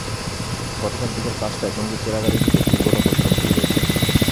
গতকাল বিকেল পাঁচটায় টঙ্গীর চেরাগ আলী থেকে বিলবোর্ড অপসারণ শুরু হয়েছে।